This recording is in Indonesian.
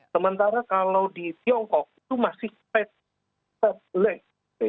sementara kalau di tiongkok itu masih statlet